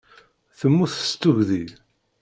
Temmut seg tuggdi.